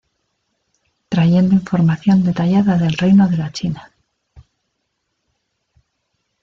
Trayendo información detallada del reino de la China.